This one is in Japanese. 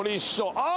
ああ！